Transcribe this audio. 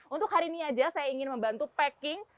untuk hari ini saja saya ingin membantu packing